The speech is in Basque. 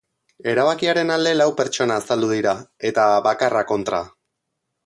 Erabakiaren alde lau pertsona azaldu dira, eta bakarra kontra.